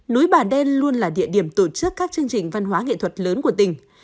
núi bà đen luôn là địa điểm tổ chức các chương trình văn hóa nghệ thuật lớn của tỉnh